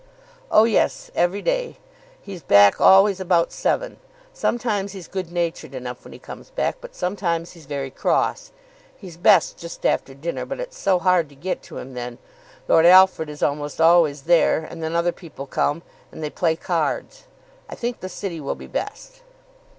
"Oh yes, every day. He's back always about seven. Sometimes he's good natured enough when he comes back, but sometimes he's very cross. He's best just after dinner. But it's so hard to get to him then. Lord Alfred is almost always there; and then other people come, and they play cards. I think the city will be best."